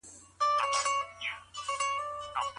هر وګړی باید په تولید کي ونډه واخلي.